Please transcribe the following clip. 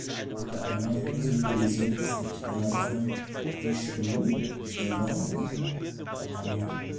Unter anderem symbolisiert es die Triade von Vishnu, Shiva und Brahma.